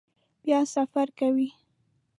بیا سفر کوئ؟